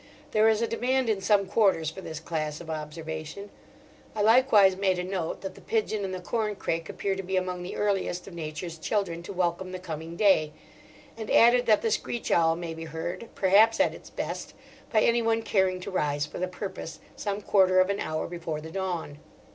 There is a demand in some quarters for this class of observation. I likewise made a note that the pigeon and the corncrake appear to be among the earliest of Nature's children to welcome the coming day; and added that the screech owl may be heard, perhaps at its best, by anyone caring to rise for the purpose, some quarter of an hour before the dawn.